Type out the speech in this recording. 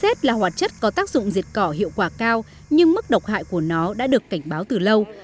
glyphosate là hóa chất có tác dụng dịch cỏ hiệu quả cao nhưng mức độc hại của nó đã được cảnh báo từ lâu